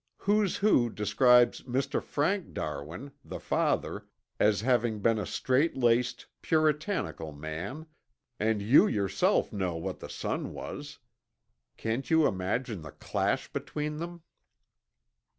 Who's Who describes Mr. Frank Darwin, the father, as having been a strait laced, Puritanical man, and you yourself know what the son was. Can't you imagine the clash between them?"